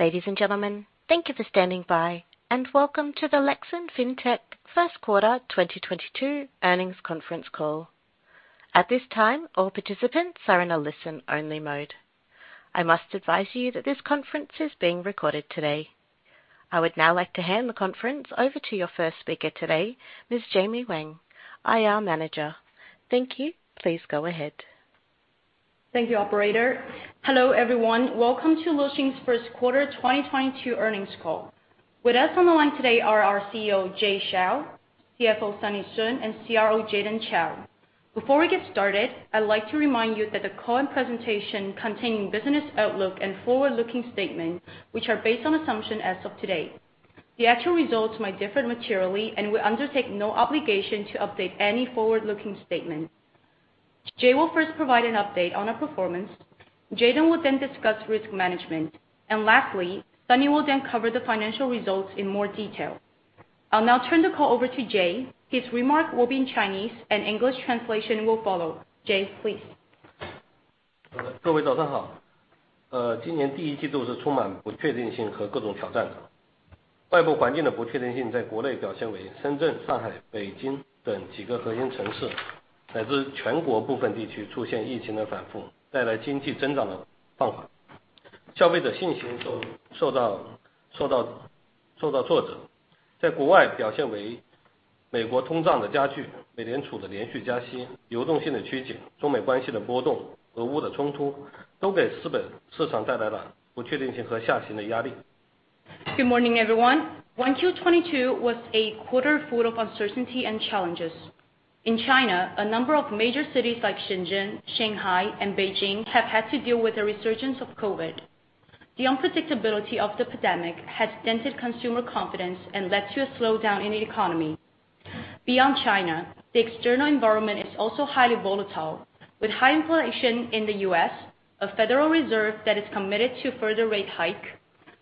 Ladies and gentlemen, thank you for standing by, and welcome to the LexinFintech first quarter 2022 earnings conference call. At this time, all participants are in a listen-only mode. I must advise you that this conference is being recorded today. I would now like to hand the conference over to your first speaker today, Ms. Jamie Wang, IR manager. Thank you. Please go ahead. Thank you, operator. Hello, everyone. Welcome to LexinFintech first quarter 2022 earnings call. With us on the line today are our CEO, Jay Xiao, CFO, Sunny Sun, and CRO, Jayden Qiao. Before we get started, I'd like to remind you that the call and presentation contain business outlook and forward-looking statements, which are based on assumptions as of today. The actual results may differ materially, and we undertake no obligation to update any forward-looking statement. Jay will first provide an update on our performance, Jaden will then discuss risk management, and lastly, Sunny will then cover the financial results in more detail. I'll now turn the call over to Jay. His remark will be in Chinese, and English translation will follow. Jay, please. Good morning, everyone. 1Q 2022 was a quarter full of uncertainty and challenges. In China, a number of major cities like Shenzhen, Shanghai, and Beijing have had to deal with the resurgence of COVID. The unpredictability of the pandemic has dented consumer confidence and led to a slowdown in the economy. Beyond China, the external environment is also highly volatile, with high inflation in the U.S., a Federal Reserve that is committed to further rate hike,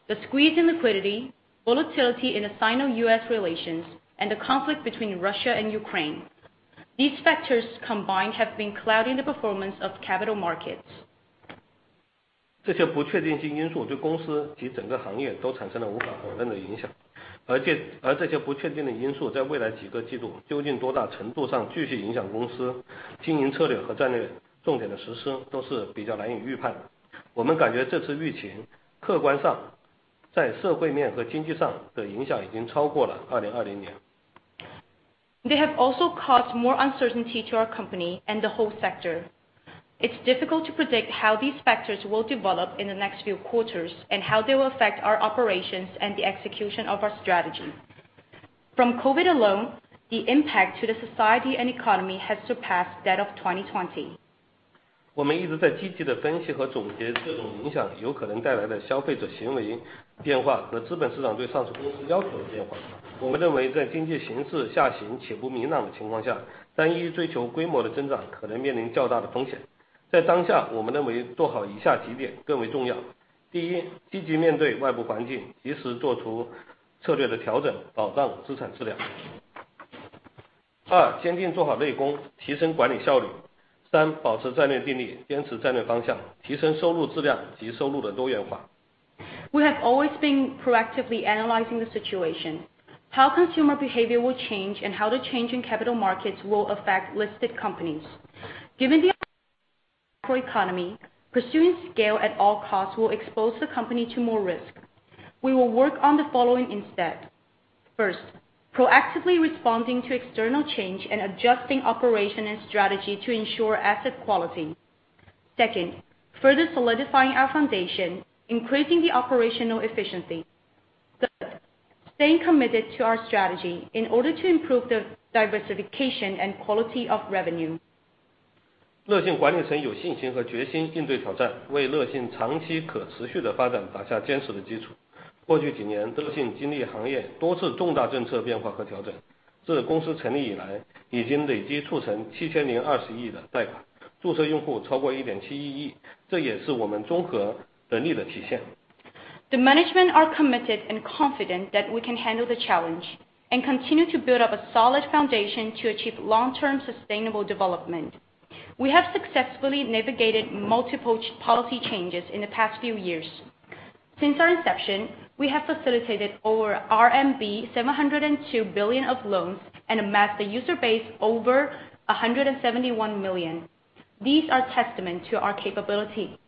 the squeeze in liquidity, volatility in the Sino-U.S. relations, and the conflict between Russia and Ukraine. These factors combined have been clouding the performance of capital markets. They have also caused more uncertainty to our company and the whole sector. It's difficult to predict how these factors will develop in the next few quarters and how they will affect our operations and the execution of our strategy. From COVID alone, the impact to the society and economy has surpassed that of 2020. We have always been proactively analyzing the situation, how consumer behavior will change, and how the change in capital markets will affect listed companies. Given the economy, pursuing scale at all costs will expose the company to more risk. We will work on the following instead. First, proactively responding to external change and adjusting operation and strategy to ensure asset quality. Second, further solidifying our foundation, increasing the operational efficiency. Third, staying committed to our strategy in order to improve the diversification and quality of revenue. The management are committed and confident that we can handle the challenge and continue to build up a solid foundation to achieve long-term sustainable development. We have successfully navigated multiple policy changes in the past few years. Since our inception, we have facilitated over RMB 702 billion of loans and amassed a user base over 171 million. These are testament to our capability.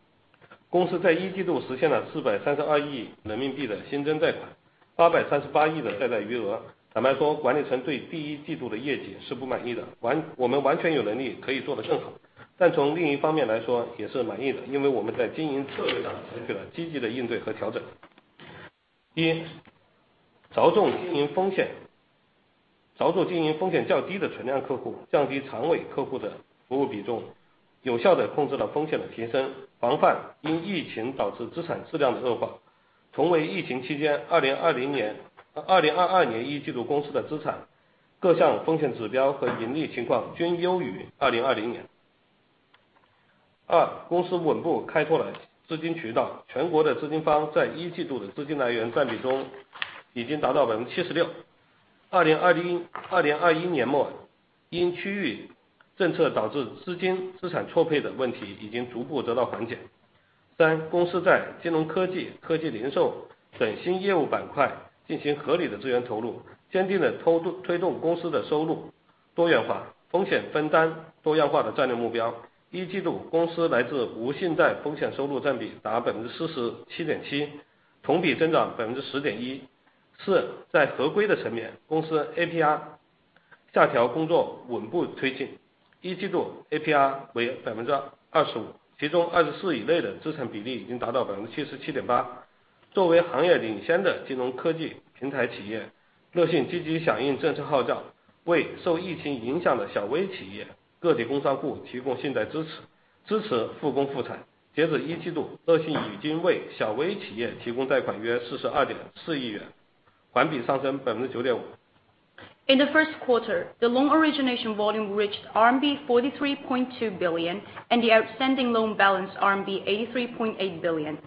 In the first quarter, the loan origination volume reached RMB 43.2 billion and the outstanding loan balance RMB 83.8 billion.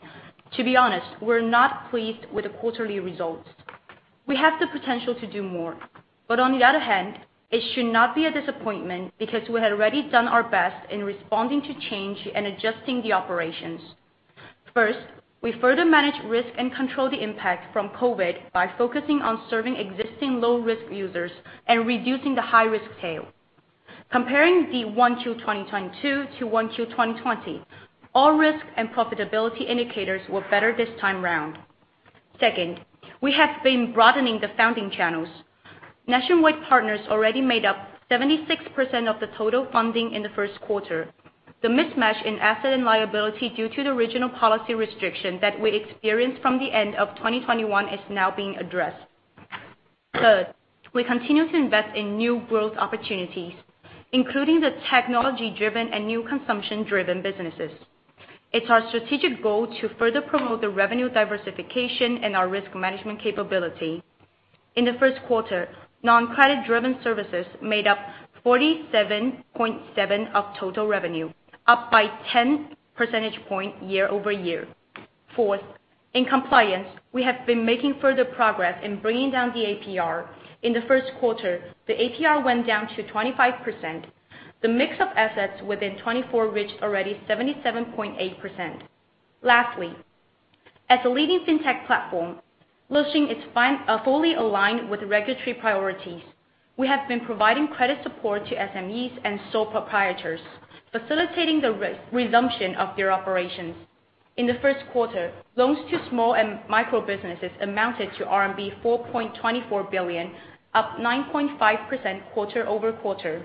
To be honest, we're not pleased with the quarterly results. We have the potential to do more, but on the other hand, it should not be a disappointment because we had already done our best in responding to change and adjusting the operations. First, we further manage risk and control the impact from COVID by focusing on serving existing low risk users and reducing the high risk tail. Comparing the 1Q 2022 to 1Q 2020, all risk and profitability indicators were better this time round. Second, we have been broadening the funding channels. Nationwide partners already made up 76% of the total funding in the first quarter. The mismatch in asset and liability due to the original policy restriction that we experienced from the end of 2021 is now being addressed. Third, we continue to invest in new growth opportunities, including the technology-driven and new consumption-driven businesses. It's our strategic goal to further promote the revenue diversification and our risk management capability. In the first quarter, noncredit-driven services made up 47.7 of total revenue, up by 10 percentage points year-over-year. Fourth, in compliance, we have been making further progress in bringing down the APR. In the first quarter, the APR went down to 25%. The mix of assets within 24 reached already 77.8%. Lastly, as a leading fintech platform, Lexin is fully aligned with regulatory priorities. We have been providing credit support to SMEs and sole proprietors, facilitating the re-resumption of their operations. In the first quarter, loans to small and micro businesses amounted to RMB 4.24 billion, up 9.5% quarter-over-quarter.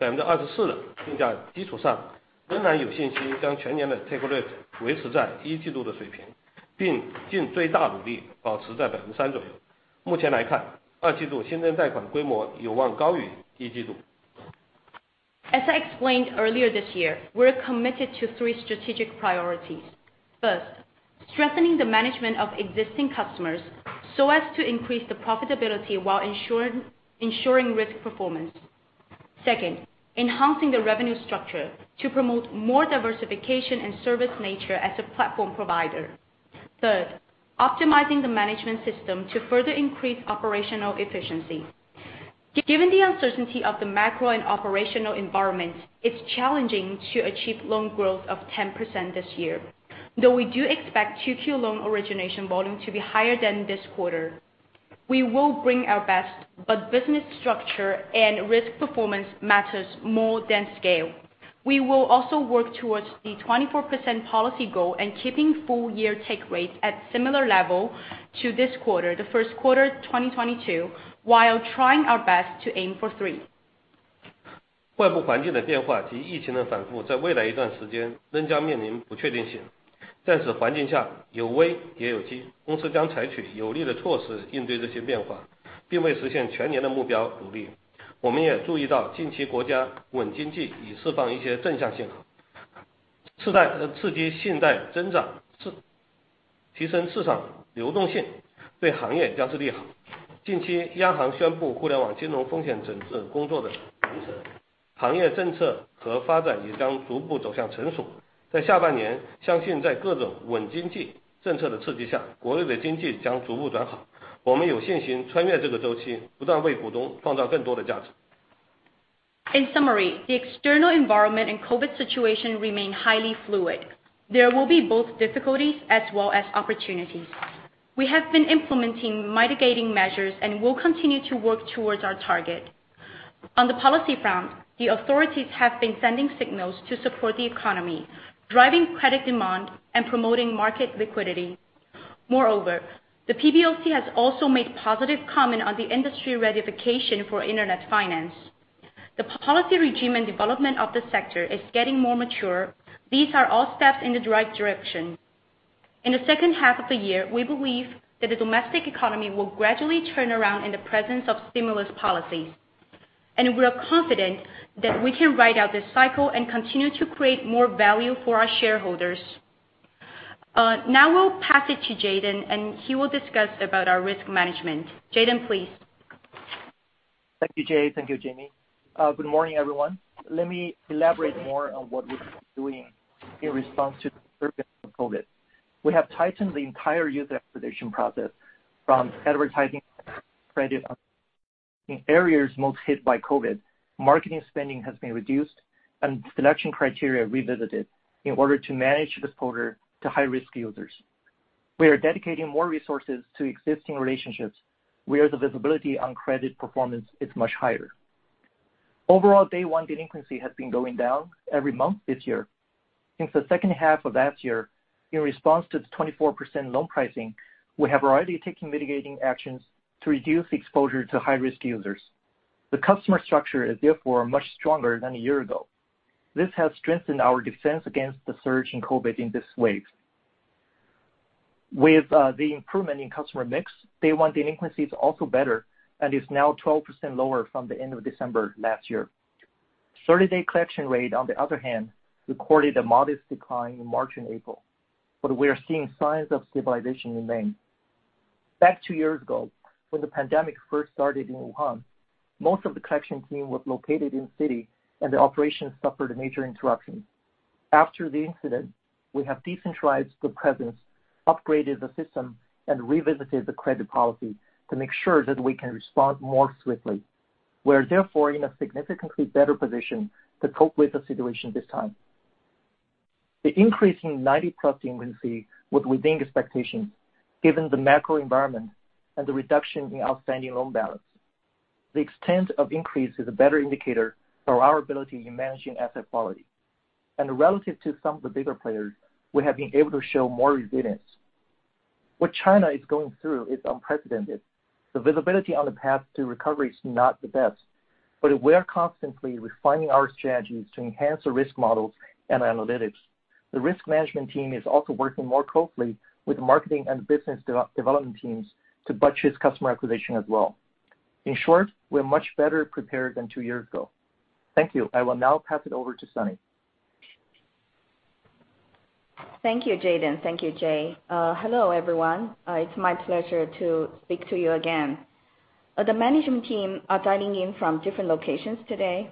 rate维持在一季度的水平，并尽最大努力保持在3%左右。目前来看，二季度新增贷款规模有望高于一季度。As I explained earlier this year, we are committed to three strategic priorities. First, strengthening the management of existing customers so as to increase the profitability while ensuring risk performance. Second, enhancing the revenue structure to promote more diversification and service nature as a platform provider. Third, optimizing the management system to further increase operational efficiency. Given the uncertainty of the macro and operational environment, it's challenging to achieve loan growth of 10% this year. Though we do expect 2Q loan origination volume to be higher than this quarter, we will bring our best. Business structure and risk performance matters more than scale. We will also work towards the 24% policy goal and keeping full year take rates at similar level to this quarter, the first quarter 2022, while trying our best to aim for 3. In summary, the external environment and COVID situation remain highly fluid. There will be both difficulties as well as opportunities. We have been implementing mitigating measures and will continue to work towards our target. On the policy front, the authorities have been sending signals to support the economy, driving credit demand and promoting market liquidity. Moreover, the PBOC has also made positive comment on the industry rectification for internet finance. The policy regime and development of the sector is getting more mature. These are all steps in the right direction. In the second half of the year, we believe that the domestic economy will gradually turn around in the presence of stimulus policies, and we are confident that we can ride out this cycle and continue to create more value for our shareholders. Now I'll pass it to Jayden, and he will discuss about our risk management. Jayden, please. Thank you, Jay. Thank you, Jamie. Good morning, everyone. Let me elaborate more on what we've been doing in response to the surge of COVID. We have tightened the entire user acquisition process from advertising to credit in areas most hit by COVID. Marketing spending has been reduced and selection criteria revisited in order to manage exposure to high-risk users. We are dedicating more resources to existing relationships where the visibility on credit performance is much higher. Overall, day one delinquency has been going down every month this year. Since the second half of last year, in response to the 24% loan pricing, we have already taken mitigating actions to reduce exposure to high-risk users. The customer structure is therefore much stronger than a year ago. This has strengthened our defense against the surge in COVID in this wave. With the improvement in customer mix, day one delinquency is also better and is now 12% lower from the end of December last year. 30-day collection rate, on the other hand, recorded a modest decline in March and April, but we are seeing signs of stabilization in May. Back two years ago, when the pandemic first started in Wuhan, most of the collection team was located in the city and the operation suffered a major interruption. After the incident, we have decentralized the presence, upgraded the system, and revisited the credit policy to make sure that we can respond more swiftly. We're therefore in a significantly better position to cope with the situation this time. The increase in 90+ delinquency was within expectations given the macro environment and the reduction in outstanding loan balance. The extent of increase is a better indicator for our ability in managing asset quality. Relative to some of the bigger players, we have been able to show more resilience. What China is going through is unprecedented. The visibility on the path to recovery is not the best, but we're constantly refining our strategies to enhance the risk models and analytics. The risk management team is also working more closely with marketing and business development teams to budget customer acquisition as well. In short, we're much better prepared than two years ago. Thank you. I will now pass it over to Sunny. Thank you, Jayden. Thank you, Jay. Hello, everyone. It's my pleasure to speak to you again. The management team are dialing in from different locations today.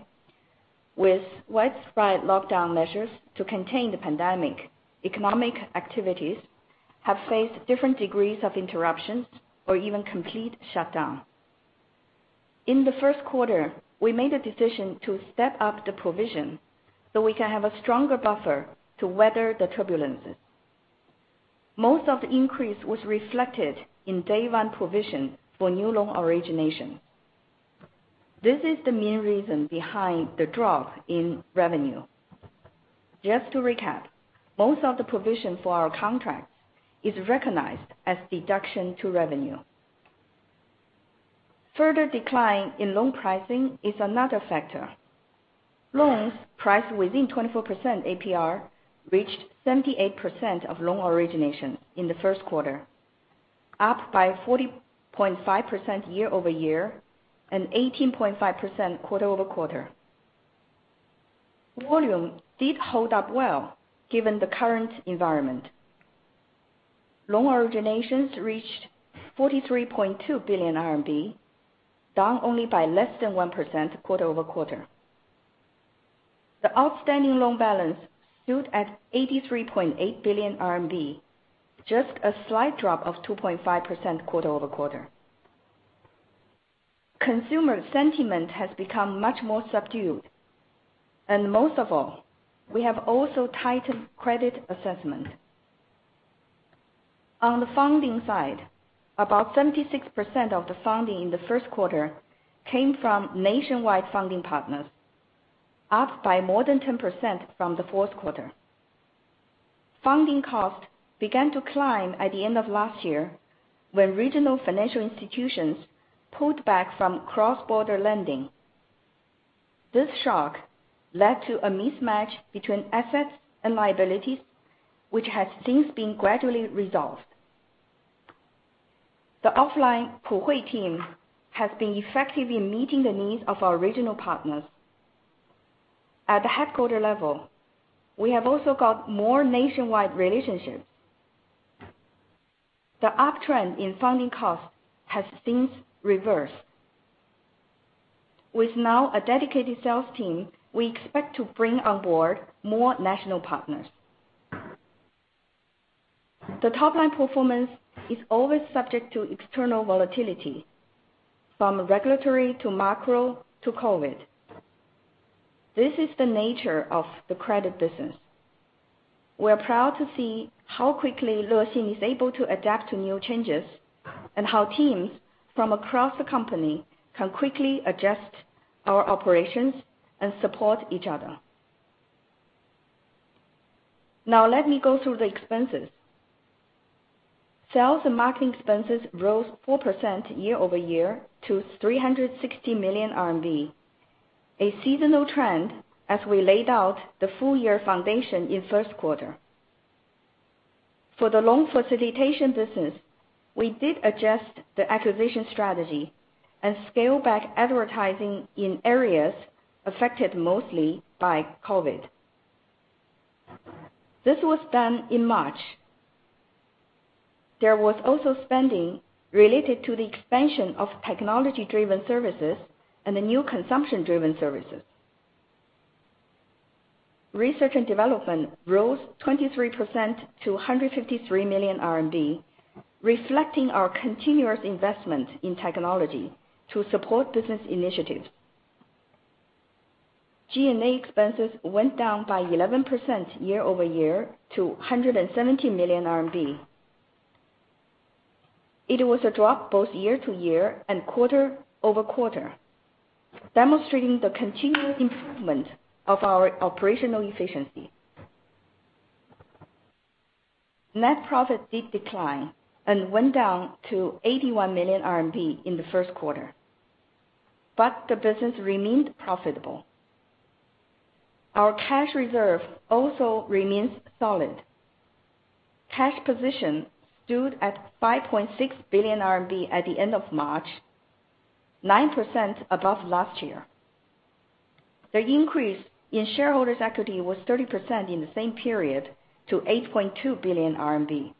With widespread lockdown measures to contain the pandemic, economic activities have faced different degrees of interruptions or even complete shutdown. In the first quarter, we made a decision to step up the provision so we can have a stronger buffer to weather the turbulences. Most of the increase was reflected in day one provision for new loan originations. This is the main reason behind the drop in revenue. Just to recap, most of the provision for our contracts is recognized as deduction to revenue. Further decline in loan pricing is another factor. Loans priced within 24% APR reached 78% of loan origination in the first quarter, up by 40.5% year-over-year and 18.5% quarter-over-quarter. Volume did hold up well given the current environment. Loan originations reached 43.2 billion RMB, down only by less than 1% quarter-over-quarter. The outstanding loan balance stood at 83.8 billion RMB, just a slight drop of 2.5% quarter-over-quarter. Consumer sentiment has become much more subdued, and most of all, we have also tightened credit assessment. On the funding side, about 76% of the funding in the first quarter came from nationwide funding partners, up by more than 10% from the fourth quarter. Funding costs began to climb at the end of last year when regional financial institutions pulled back from cross-border lending. This shock led to a mismatch between assets and liabilities, which has since been gradually resolved. The offline Puhui team has been effective in meeting the needs of our regional partners. At the headquarters level, we have also got more nationwide relationships. The uptrend in funding costs has since reversed. With now a dedicated sales team, we expect to bring on board more national partners. The top-line performance is always subject to external volatility, from regulatory to macro to COVID. This is the nature of the credit business. We are proud to see how quickly Lexin is able to adapt to new changes, and how teams from across the company can quickly adjust our operations and support each other. Now let me go through the expenses. Sales and marketing expenses rose 4% year-over-year to 360 million RMB, a seasonal trend as we laid out the full year foundation in first quarter. For the loan facilitation business, we did adjust the acquisition strategy and scale back advertising in areas affected mostly by COVID. This was done in March. There was also spending related to the expansion of technology-driven services and the new consumption-driven services. Research and development rose 23% to 153 million RMB, reflecting our continuous investment in technology to support business initiatives. G&A expenses went down by 11% year-over-year to 170 million RMB. It was a drop both year-over-year and quarter-over-quarter, demonstrating the continuous improvement of our operational efficiency. Net profit did decline and went down to 81 million RMB in the first quarter, but the business remained profitable. Our cash reserve also remains solid. Cash position stood at 5.6 billion RMB at the end of March, 9% above last year. The increase in shareholders' equity was 30% in the same period to 8.2 billion RMB.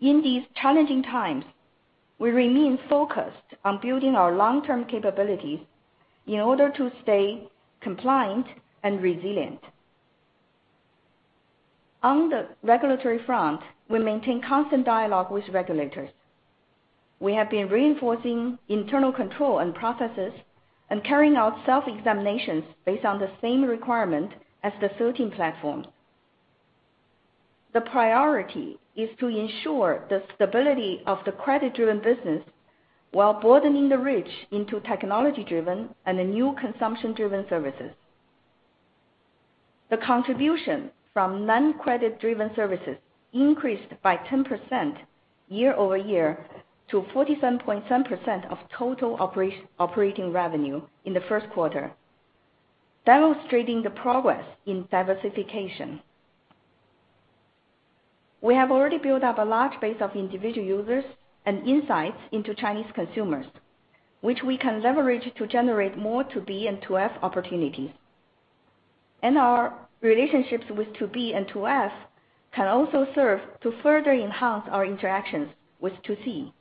In these challenging times, we remain focused on building our long-term capabilities in order to stay compliant and resilient. On the regulatory front, we maintain constant dialogue with regulators. We have been reinforcing internal control and processes and carrying out self-examinations based on the same requirements as the 13 platforms. The priority is to ensure the stability of the credit-driven business while broadening the reach into technology-driven and the new consumption-driven services. The contribution from noncredit-driven services increased by 10% year-over-year to 47.7% of total operating revenue in the first quarter, demonstrating the progress in diversification. We have already built up a large base of individual users and insights into Chinese consumers, which we can leverage to generate more to-B and to-F opportunities. Our relationships with to-B and to-F can also serve to further enhance our interactions with to-C.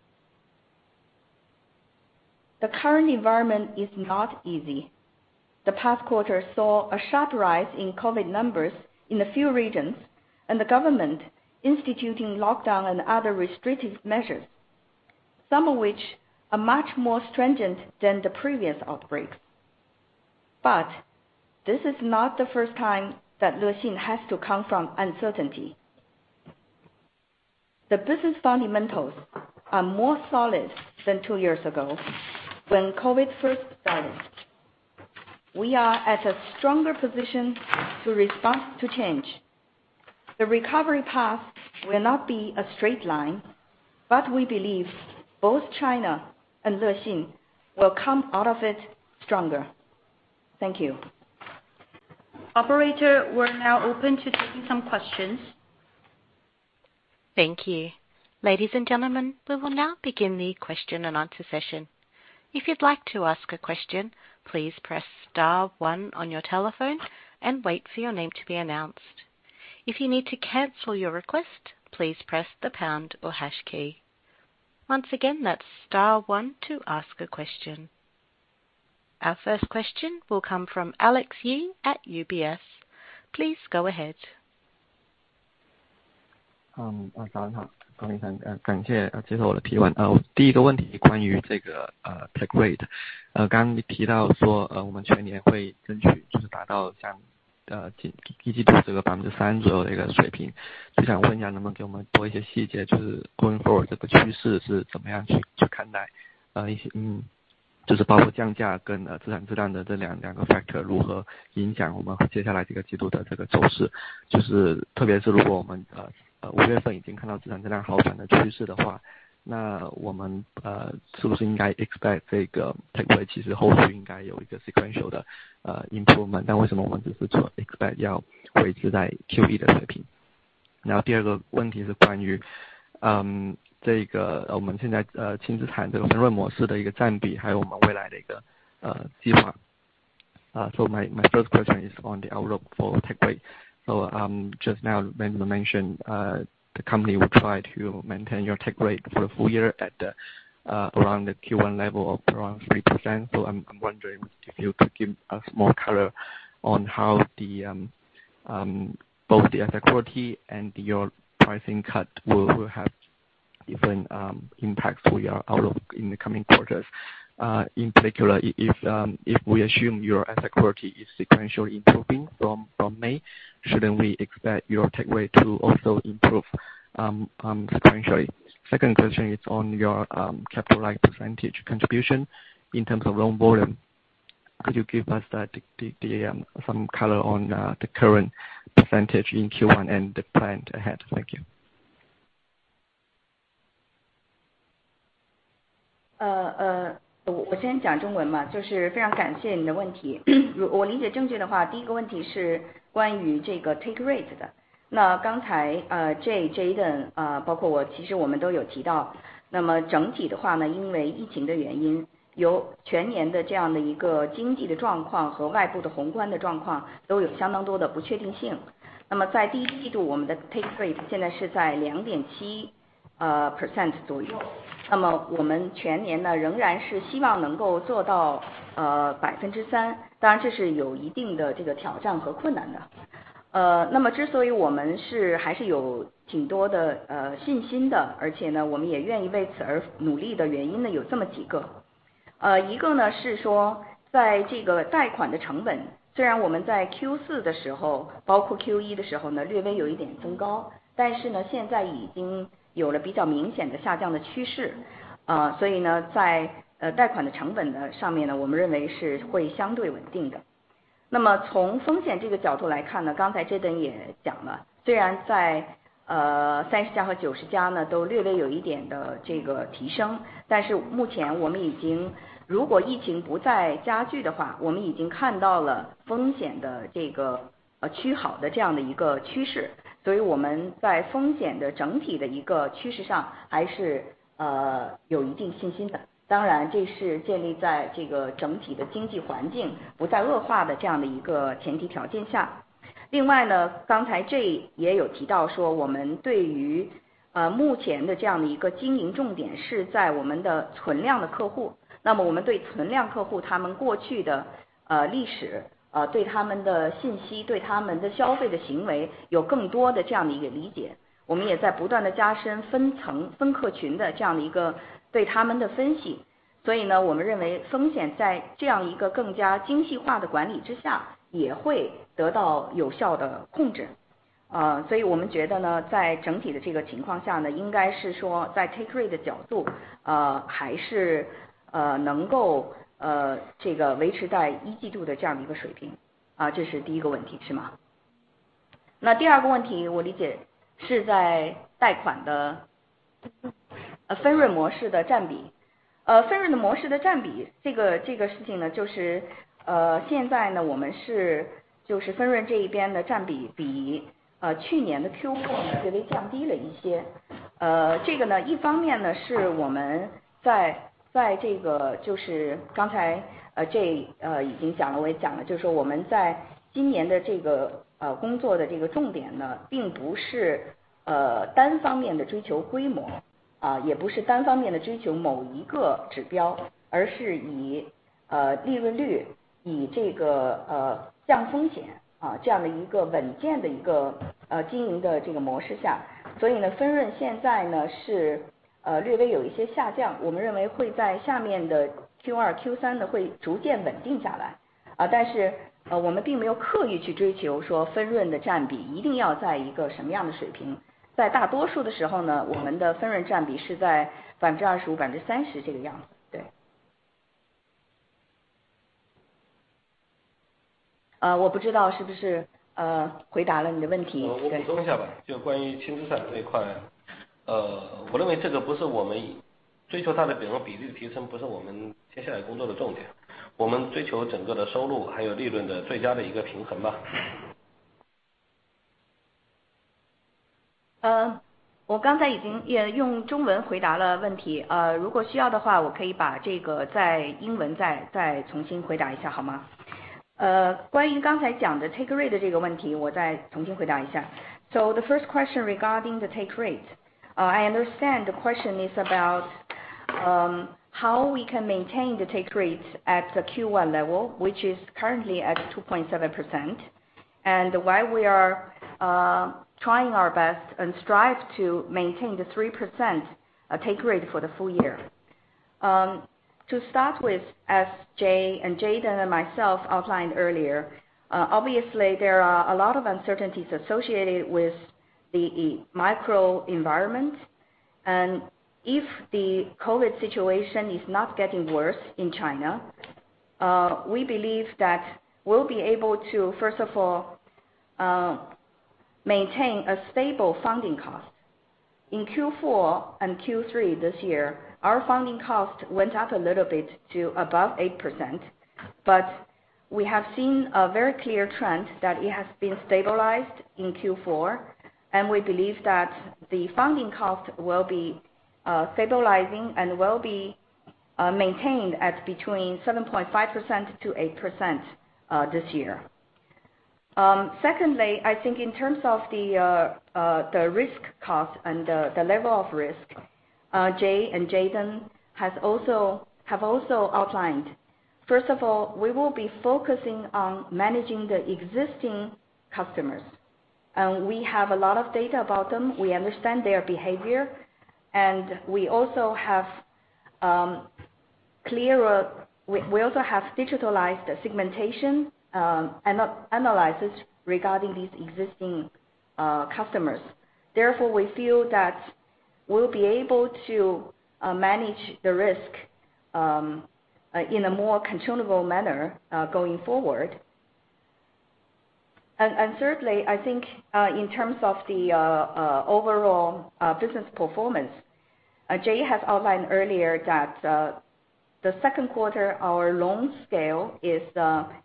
The current environment is not easy. The past quarter saw a sharp rise in COVID numbers in a few regions and the government instituting lockdown and other restrictive measures, some of which are much more stringent than the previous outbreaks. This is not the first time that Lexin has to come from uncertainty. The business fundamentals are more solid than two years ago when COVID first started. We are at a stronger position to respond to change. The recovery path will not be a straight line, but we believe both China and Lexin will come out of it stronger. Thank you. Operator, we're now open to taking some questions. Thank you. Ladies and gentlemen, we will now begin the question-and-answer session. If you'd like to ask a question, please press star one on your telephone and wait for your name to be announced. If you need to cancel your request, please press the pound or hash key. Once again, that's star one to ask a question. Our first question will come from Alex Ye at UBS. Please go ahead. My first question is on the outlook for take rate. Just now mentioned, the company will try to maintain your take rate for the full year at around the Q1 level of around 3%. I'm wondering if you could give us more color on how both the asset quality and your pricing cut will have even impacts we're looking at in the coming quarters. In particular, if we assume your asset quality is sequentially improving from May, shouldn't we expect your take rate to also improve sequentially? Second question is on your capital light percentage contribution in terms of loan volume. Could you give us some color on the current percentage in Q1 and the plan ahead? Thank you. 我先讲中文嘛。非常感谢你的问题。我理解正确的话，第一个问题是关于这个take rate的。那刚才Jay、Jayden，包括我，其实我们都有提到，那么整体的话呢，因为疫情的原因，由全年的这样的一个经济的状况和外部的宏观的状况都有相当多的不确定性。那么在第一季度，我们的take rate现在是在两点七percent左右，那么我们全年呢，仍然是希望能够做到百分之三，当然这是有一定的这个挑战和困难的。那么之所以我们还是有挺多的信心的，而且呢我们也愿意为此而努力的原因呢，有这么几个，一个呢是说在这个贷款的成本，虽然我们在Q4的时候，包括Q1的时候呢，略微有一点增高，但是呢，现在已经有了比较明显的下降的趋势，所以呢，在贷款的成本的上面呢，我们认为是会相对稳定的。那么从风险这个角度来看呢，刚才Jayden也讲了，虽然在三十加和九十加呢，都略微有一点的这个提升，但是目前我们已经，如果疫情不再加剧的话，我们已经看到了风险的这个趋好的这样的一个趋势，所以我们在风险的整体的一个趋势上还是有一定信心的。当然这是建立在这个整体的经济环境不再恶化的这样的一个前提条件下。另外呢，刚才Jay也有提到说，我们对于目前的这样的一个经营重点是在我们的存量的客户，那么我们对存量客户，他们过去的历史，对他们的信息，对他们的消费的行为有更多的这样的一个理解，我们也在不断地加深分层、分客群的这样的一个对他们的分析。所以呢，我们认为风险在这样一个更加精细化的管理之下，也会得到有效的控制。所以我们觉得呢，在整体的这个情况下呢，应该是说在take rate的角度，还是能够这个维持在一季度的这样的一个水平。这是第一个问题，是吗？那第二个问题我理解是在贷款的分润模式的占比。分润的模式的占比，这个事情呢，就是，现在呢，我们是，就是分润这一边的占比比去年的Q4略微降低了一些，这个呢，一方面呢，是我们在，就是刚才Jay已经讲了，我也讲了，就是说我们在今年的这个工作的这个重点呢，并不是单方面地追求规模，也不是单方面地追求某一个指标，而是以利润率，以这个降风险，这样的一个稳健的一个经营的这个模式下。所以呢，分润现在呢是略微有一些下降，我们认为会在下面的Q2、Q3呢会逐渐稳定下来。但是，我们并没有刻意去追求说分润的占比一定要在一个什么样的水平。在大多数的时候呢，我们的分润占比是在25%、30%这个样子。我不知道是不是回答了你的问题。我补充一下吧。就关于轻资产这一块，我认为这个不是我们追求它的比例的提升，不是我们接下来工作的重点，我们追求整个的收入，还有利润的最佳的一个平衡吧。我刚才已经用中文回答了问题，如果需要的话，我可以把这个在英文再重新回答一下好吗？关于刚才讲的 take rate 的这个问题，我再重新回答一下。The first question regarding the take rate. I understand the question is about how we can maintain the take rate at the Q1 level, which is currently at 2.7%, and while we are trying our best and strive to maintain the 3% take rate for the full year. To start with, as Jay Xiao and Jayden Qiao and myself outlined earlier, obviously there are a lot of uncertainties associated with the macro environment, and if the COVID situation is not getting worse in China, we believe that we'll be able to, first of all, maintain a stable funding cost. In Q4 and Q3 this year, our funding cost went up a little bit to above 8%, but we have seen a very clear trend that it has been stabilized in Q4, and we believe that the funding cost will be stabilizing and will be maintained at between 7.5%-8%, this year. Secondly, I think in terms of the risk cost and the level of risk, Jay and Jayden have also outlined. First of all, we will be focusing on managing the existing customers and we have a lot of data about them. We understand their behavior and we also have clearer—we also have digitalized segmentation, analyzes regarding these existing customers. Therefore, we feel that we'll be able to manage the risk in a more controllable manner going forward. Thirdly, I think in terms of the overall business performance, Jay has outlined earlier that the second quarter, our loan scale is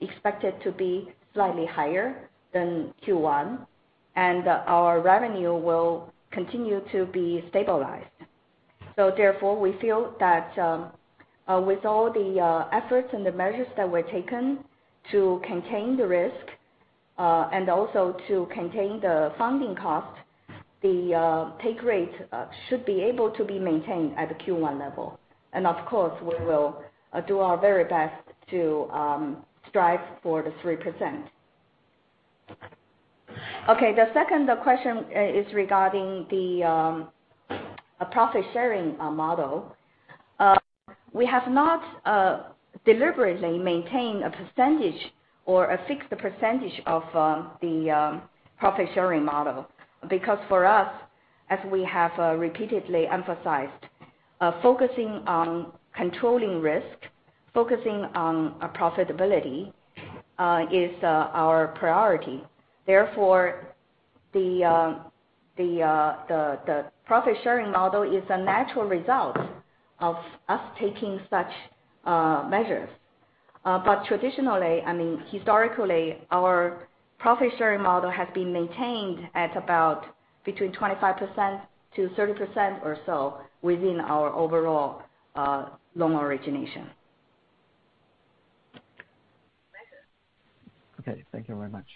expected to be slightly higher than Q1, and our revenue will continue to be stabilized. Therefore, we feel that with all the efforts and the measures that were taken to contain the risk and also to contain the funding cost, the take rate should be able to be maintained at the Q1 level. Of course, we will do our very best to strive for the 3%. The second question is regarding the profit sharing model. We have not deliberately maintained a percentage or a fixed percentage of the profit sharing model, because for us, as we have repeatedly emphasized, focusing on controlling risk, focusing on profitability, is our priority. Therefore, the profit sharing model is a natural result of us taking such measures. Traditionally, I mean historically, our profit sharing model has been maintained at about between 25%-30% or so within our overall loan origination. Okay. Thank you very much.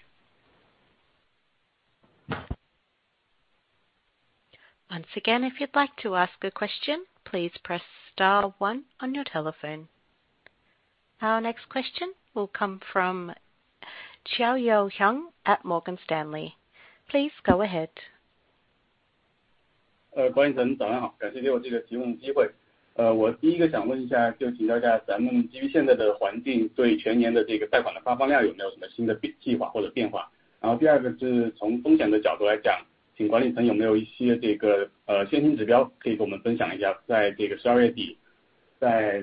Once again, if you'd like to ask a question, please press star one on your telephone. Our next question will come from Chiao Huang at Morgan Stanley. Please go ahead. 管理层早上好，感谢给我这个提问的机会。我第一个想问一下，就请教一下，咱们基于现在的环境，对全年的这个贷款的发放量有没有什么新的计划或者变化？然后第二个就是从风险的角度来讲，请管理层有没有一些这个先行指标可以跟我们分享一下，在这个十二月底，在三月底，跟包括四月份、五月份最新的一些趋势，谢谢。My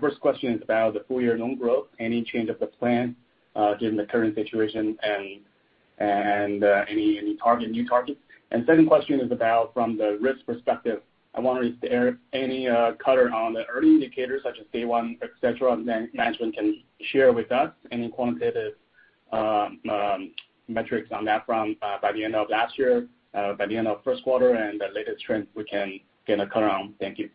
first question is about the full year loan growth. Any change of the plan, given the current situation and any target, new targets? Second question is about from the risk perspective. I wonder is there any color on the early indicators such as D1, etc., then management can share with us any quantitative metrics on that front, by the end of last year, by the end of first quarter and the latest trends we can get a color on. Thank you.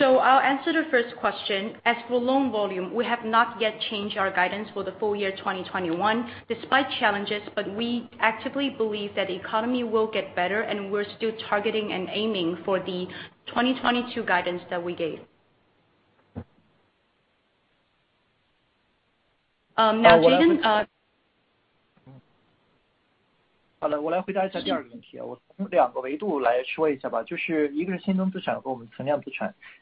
I'll answer the first question. As for loan volume, we have not yet changed our guidance for the full year 2021 despite challenges, but we actively believe that the economy will get better and we're still targeting and aiming for the 2022 guidance that we gave. Now Jayden can- 好了，我来回答一下第二个问题。我从两个维度来说一下吧，就是一个是新增资产和我们存量资产。新增资产呢，其实刚才我也有提到，就是从去年Q4开始，我们就进行了一系列的优化和整个的一个政策调整，所以我们一季度的放款的风险指标，尤其是像较稳定的PD30，较上年末已经有了比较明显的改善。我们一月份的FPD30是0.63，对比Q4是下降了15%。但从二、三月份的角度来看，因为后期的放款受到疫情以及经济走势的一定的影响，有一点上涨的趋势，但是明显的趋势是我们的新客是优于老客的，这个是风险指标上是有所反映。那从存量资产，我们也可以看到，我们的九十加和三十加对比Q4是有一定的上升的，也是几个原因的影响，一个是我们其实早期对于高风险用户的收紧，它的释放需要有一定的时间的。第二块就是宏观经济的放缓，对我们就业和消费都有一定的冲击。再加上疫情的反复，尤其是像上海等城市的不同防控政策下的这个对于经济的冲击还是比较明显的。所以从这个角度讲，存量资产可以看到三加九加有一定的上升。但是我们看到的情况是，对比Q4，我们的入推，尤其是Q1开始是逐月下降的，对比Q4整个数据下降了12%。出推方面呢，尽管三四月份受疫情影响有小幅下降，但是从五月开始，我们的整个的出推就开始稳定并且向好。所以这是风险方面的一些趋势。I'll simply translate it a bit, that is,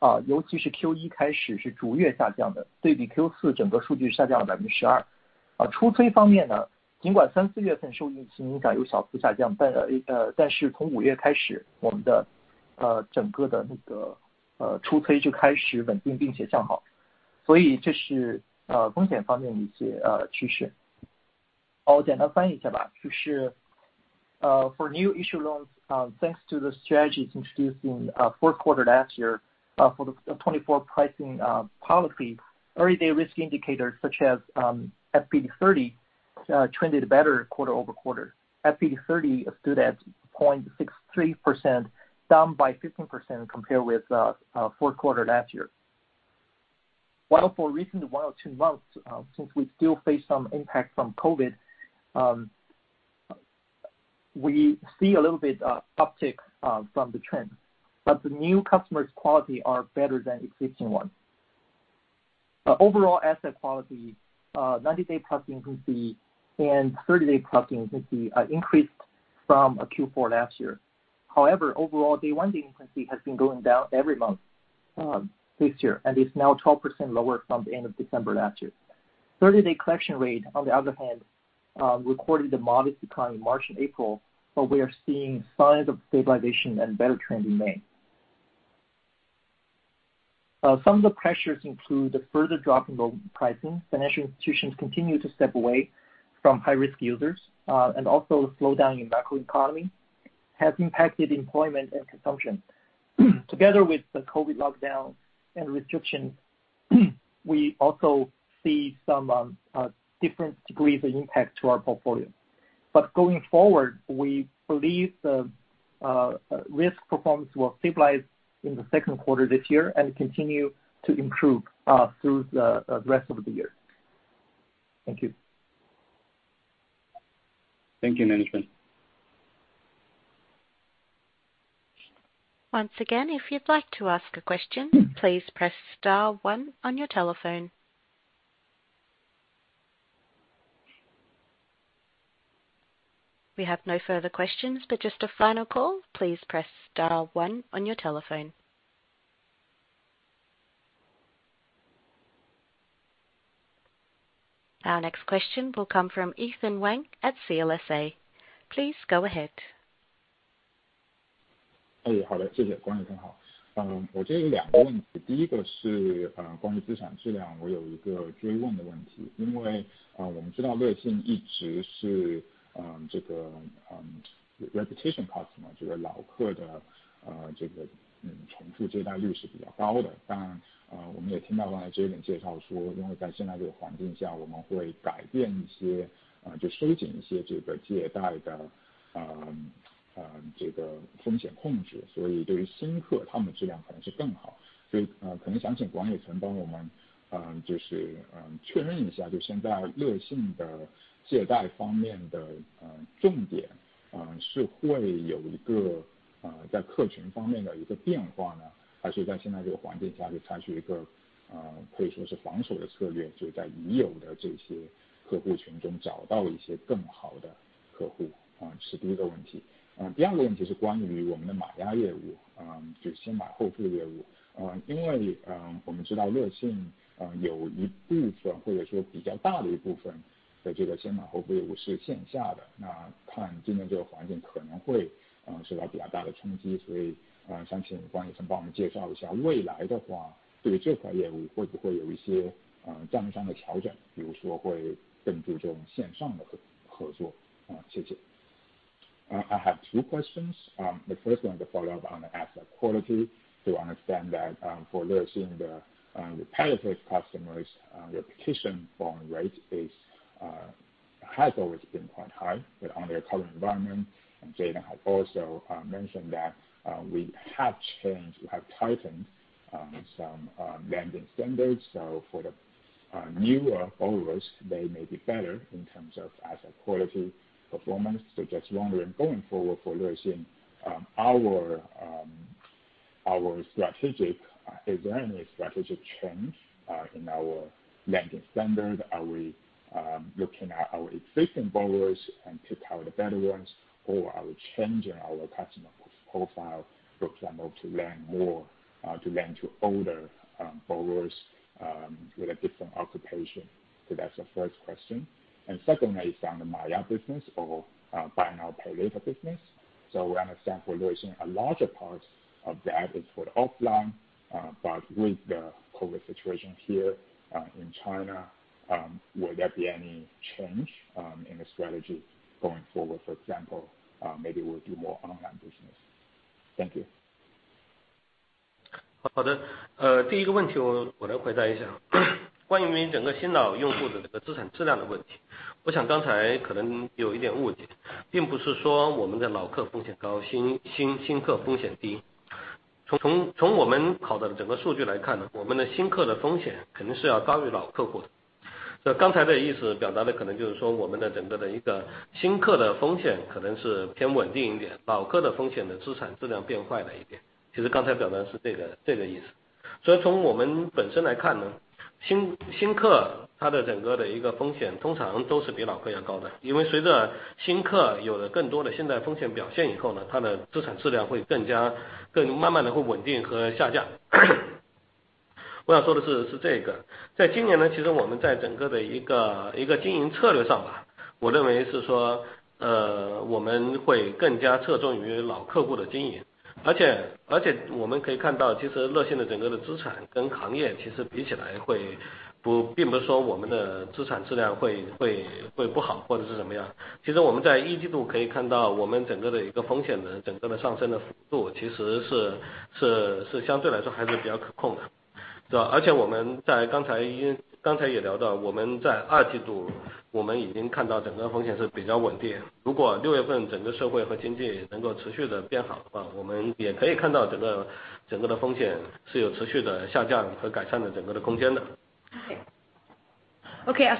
for new issue loans, thanks to the strategies introduced in fourth quarter last year, for the 24 pricing policy, early day risk indicators such as FPD30 trended better quarter-over-quarter. FPD30 stood at 0.63%, down by 15% compared with fourth quarter last year. While for recent one or two months, since we still face some impact from COVID, we see a little bit of uptick from the trend, but the new customers' quality are better than existing ones. Overall asset quality, 90-day past due delinquency and 30-day past due delinquency are increased from Q4 last year. However, overall day one delinquency has been going down every month this year, and is now 12% lower from the end of December last year. 30-day collection rate, on the other hand, recorded a modest decline in March and April, but we are seeing signs of stabilization and better trend in May. Some of the pressures include the further drop in loan pricing. Financial institutions continue to step away from high-risk users, and also the slowdown in macroeconomy has impacted employment and consumption. Together with the COVID lockdowns and restrictions, we also see some different degrees of impact to our portfolio. Going forward, we believe the risk performance will stabilize in the second quarter this year and continue to improve through the rest of the year. Thank you. Thank you management. Once again, if you'd like to ask a question, please press star one on your telephone. We have no further questions, but just a final call. Please press star one on your telephone. Our next question will come from Ethan Wang at CLSA. Please go ahead. 好的，谢谢。管理层好，我这里有两个问题，第一个是关于资产质量，我有一个追问的问题，因为我们知道乐信一直是这个repetition customer，这个老客的重述借贷率是比较高的。当然，我们也听到刚才Jayden介绍说，因为在现在这个环境下，我们会改变一些，就收紧一些这个借贷的风险控制，所以对于新客，他们的质量可能是更好。所以，可能想请管理层帮我们确认一下，就现在乐信的借贷方面的重点，是会有一个在客群方面的一个变化呢，还是在现在这个环境下去采取一个可以说是防守的策略，就在已有的这些客户群中找到一些更好的客户，是第一个问题。第二个问题是关于我们的马押业务，就先买后付的业务，因为我们知道乐信有一部分或者说比较大的一部分的这个先买后付业务是线下的，那看今年这个环境可能会受到比较大的冲击。所以，想请管理层帮我们介绍一下，未来的话对于这块业务会不会有一些战术上的调整，比如说会更注重线上的合作。谢谢。I have two questions. The first one is a follow-up on the asset quality, to understand that for 乐信 the repetitive customers' repeat borrowing rate has always been quite high. But under the current environment, Jayden has also mentioned that we have changed, we have tightened some lending standards. So for the newer borrowers, they may be better in terms of asset quality performance. So just wondering, going forward for Lexin, is there any strategic change in our lending standard? Are we looking at our existing borrowers and picking out the better ones? Or are we changing our customer profile, for example, to lend more to older borrowers with a different occupation? That's the first question. Secondly, is on the 买呀 business or buy now pay later business. So we understand that a larger part of that is offline. But with the COVID situation here in China, will there be any change in the strategy going forward? For example, maybe we'll do more online business. Thank you. 好的，第一个问题我来回答一下。关于您整个新老用户的这个资产质量的问题，我想刚才可能有一点误解，并不是说我们的老客风险高、新客风险低。从我们考的整个数据来看呢，我们的新客的风险肯定是要高于老客户的。那刚才的意思表达的可能就是说我们的整个的一个新客的风险可能是偏稳定一点，老客的风险的资产质量变坏了一点。其实刚才表达的是这个意思。所以从我们本身来看呢，新客他的整个的一个风险通常都是比老客要高的，因为随着新客有了更多的信贷风险表现以后呢，他的资产质量会更加慢慢的会稳定和下降。我要说的是这个。在今年呢，其实我们在整个的一个经营策略上吧，我认为是说， 我们会更加侧重于老客户的经营。而且，我们可以看到，其实乐信的整个的资产跟行业其实比起来，并不是说我们的资产质量会不好或者是什么样。其实我们在一季度可以看到，我们整个的风险的整个的上升的幅度，其实是相对来说还是比较可控的。而且我们在刚才也聊到，我们在二季度我们已经看到整个风险是比较稳定。如果六月份整个社会和经济能够持续地变好的话，我们也可以看到整个的风险是有持续的下降和改善的整个的空间的。Okay.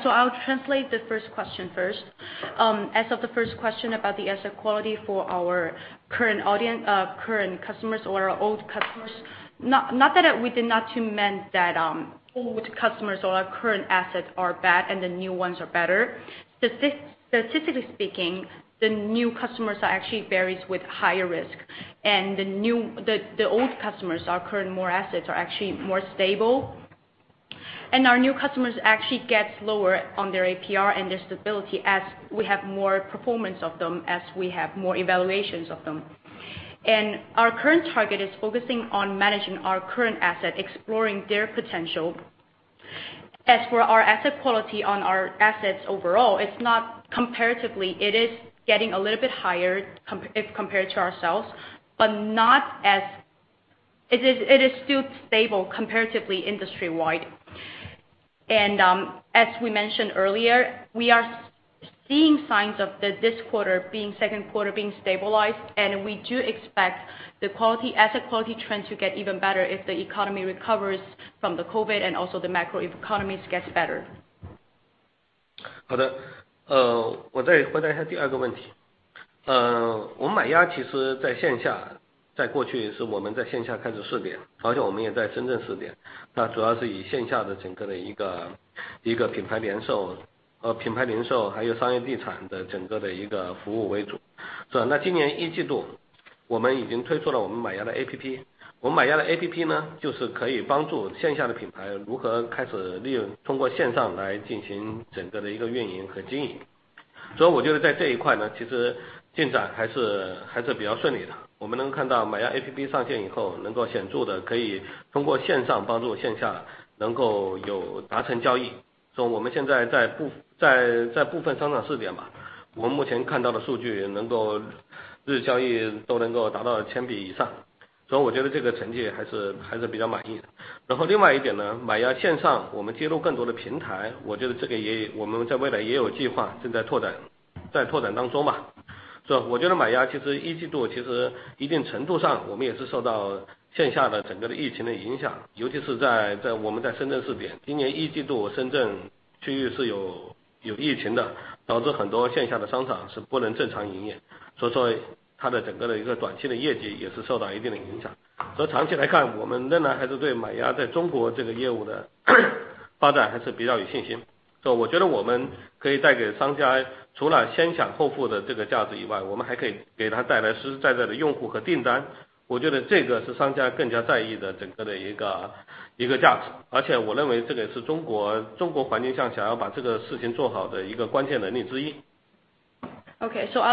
I'll translate the first question first. As to the first question about the asset quality for our current customers or old customers. Not that we did not mean that old customers or our current assets are bad and the new ones are better. Statistically speaking, the new customers actually bear higher risk. The old customers, our current mature assets are actually more stable. Our new customers actually get lower on their APR and their stability as we have more information on them, as we have more evaluations of them. Our current target is focusing on managing our current asset, exploring their potential. As for our asset quality on our assets overall, it's not comparatively, it is getting a little bit higher compared to ourselves, but not as... It is still stable comparatively industry-wide. As we mentioned earlier, we are seeing signs of this quarter being second quarter being stabilized. We do expect the quality, asset quality trend to get even better if the economy recovers from the COVID and also the macro economies gets better. Okay, I'll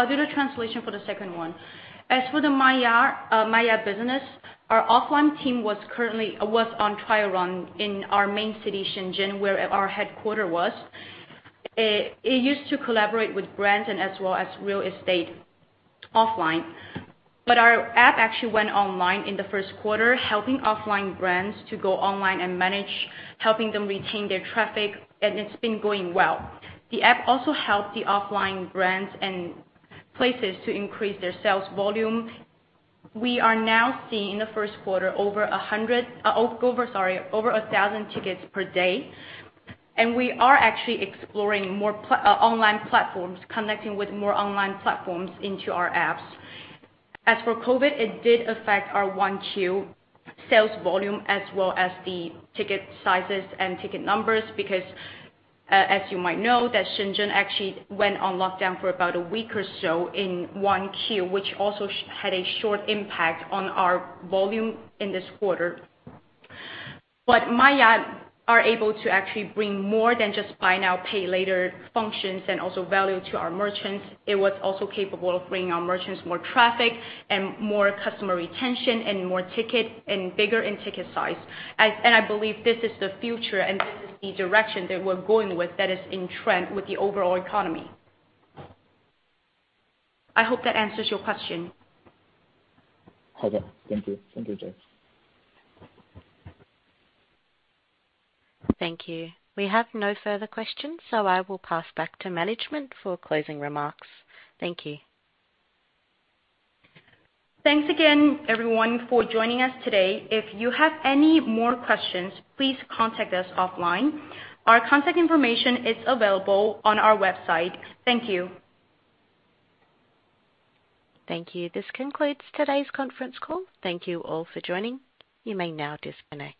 do the translation for the second one. As for the Maiya business, our offline team was currently on trial run in our main city, Shenzhen, where our headquarters was. It used to collaborate with brands and as well as real estate offline. Our app actually went online in the first quarter, helping offline brands to go online and manage, helping them retain their traffic. It's been going well. The app also helped the offline brands and places to increase their sales volume. We are now seeing the first quarter over 1,000 tickets per day. We are actually exploring more online platforms connecting with more online platforms into our apps. As for COVID, it did affect our 1Q sales volume as well as the ticket sizes and ticket numbers. Because as you might know that Shenzhen actually went on lockdown for about a week or so in 1Q, which also had a short impact on our volume in this quarter. Maiya is able to actually bring more than just buy now, pay later functions and also value to our merchants. It was also capable of bringing our merchants more traffic and more customer retention and more ticket and bigger in ticket size. And I believe this is the future and this is the direction that we're going with that is in trend with the overall economy. I hope that answers your question. 好的。Thank you, thank you Jay。Thank you. We have no further questions, so I will pass back to management for closing remarks. Thank you. Thanks again everyone for joining us today. If you have any more questions, please contact us offline. Our contact information is available on our website. Thank you. Thank you. This concludes today's conference call. Thank you all for joining. You may now disconnect.